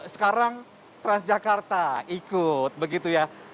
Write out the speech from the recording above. sekarang transjakarta ikut begitu ya